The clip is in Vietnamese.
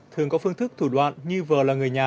thường có phương thức thủ đoạn như vờ là người nhà